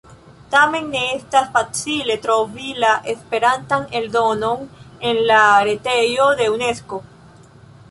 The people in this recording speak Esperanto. Tamen ne estas facile trovi la Esperantan eldonon en la retejo de Unesko.